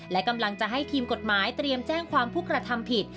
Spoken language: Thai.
และกำลังจะให้ทีมกฎหมายเตรียมแจ้งความผู้กระทำผิด